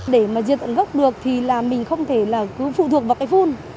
để mà diệt tận gốc được thì là mình không thể là cứ phụ thuộc vào cái phun